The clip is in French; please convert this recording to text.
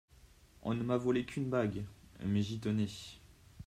On ne m’a volé qu’une bague… mais j’y tenais.